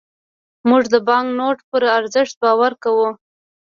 موږ د بانکنوټ پر ارزښت باور کوو.